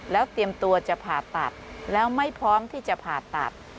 แล้วเตรียมตัวจะผ่าตัดแล้วไม่พร้อมที่จะผ่าตัด